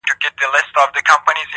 نو نن,